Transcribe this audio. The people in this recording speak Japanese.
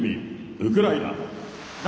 ウクライナ。